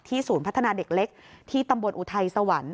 ศูนย์พัฒนาเด็กเล็กที่ตำบลอุทัยสวรรค์